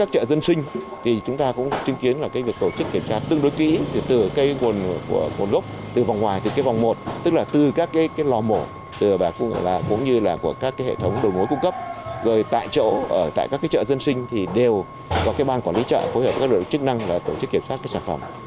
tại chợ tại các chợ dân sinh đều có ban quản lý chợ phối hợp với các đội chức năng tổ chức kiểm soát các sản phẩm